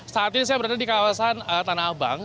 saat ini saya berada di kawasan tanah abang